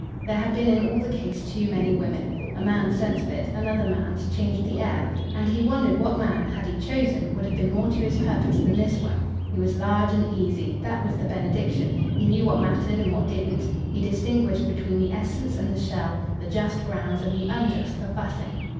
There had been in all the case too many women. A man's sense of it, another man's, changed the air; and he wondered what man, had he chosen, would have been more to his purpose than this one. He was large and easy that was the benediction; he knew what mattered and what didn't; he distinguished between the essence and the shell, the just grounds and the unjust for fussing.